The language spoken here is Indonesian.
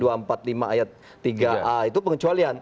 dua ratus empat puluh lima ayat tiga a itu pengecualian